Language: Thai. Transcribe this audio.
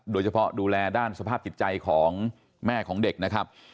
โดยเฉพาะดูแลด้านสภาพติดใจของแม่ของเด็กนะครับ